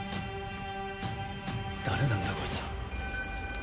誰なんだこいつは。